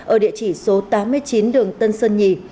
ở địa chỉ số tám mươi chín đường tân sơn nhì